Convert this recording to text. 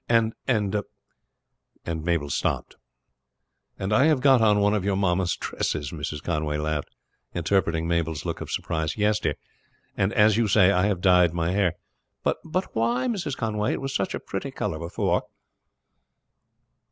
"And " and Mabel stopped. "And I have got on one of your mamma's dresses," Mrs. Conway laughed, interpreting Mabel's look of surprise. "Yes, dear, and as you say, I have dyed my hair." "But why, Mrs. Conway? It was such a pretty color before."